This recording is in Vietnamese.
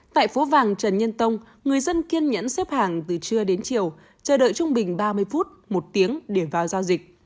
tại phố vàng trần nhân tông người dân kiên nhẫn xếp hàng từ trưa đến chiều chờ đợi trung bình ba mươi phút một tiếng để vào giao dịch